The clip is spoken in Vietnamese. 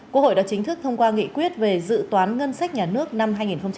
quốc hội đã chính thức thông qua nghị quyết về dự toán ngân sách nhà nước năm hai nghìn hai mươi